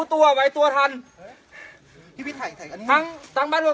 ไทรเลยนะครับ